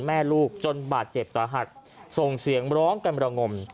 แม่ลูกจนบาดเจ็บสาหัสส่งเสียงร้องกันระงม